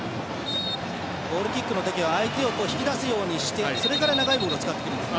ゴールキックの時は相手を引き出すようにしてから長いボールを使ってくるんですね。